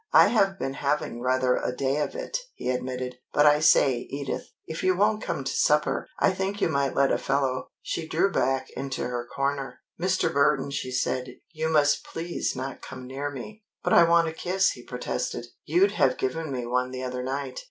"I have been having rather a day of it," he admitted. "But I say, Edith, if you won't come to supper, I think you might let a fellow " She drew back into her corner. "Mr. Burton," she said, "you must please not come near me." "But I want a kiss," he protested. "You'd have given me one the other night.